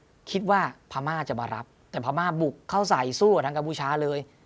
ก็คิดว่าพม่าจะมารับแต่พม่าบุกเข้าใส่สู้กับทางกัมพูชาเลย